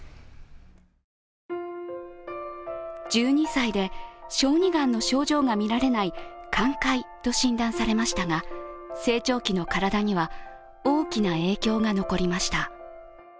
１２歳で小児がんの症状がみられない寛解と診断されましたが成長期の体には大きな影響が残りました。